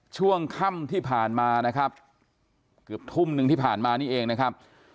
ช่วงค่ำที่ผ่านมานะครับเกือบทุ่มหนึ่งที่ผ่านมานี่เองนะครับ